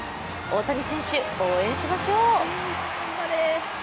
大谷選手、応援しましょう。